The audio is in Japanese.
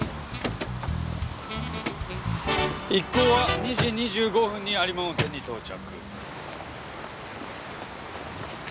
一行は２時２５分に有馬温泉に到着。